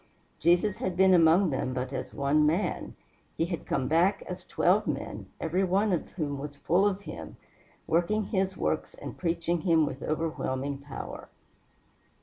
Jesus had been among them but as one man; he had come back as twelve men, every one of whom was full of him, working his works and preaching him with overwhelming power.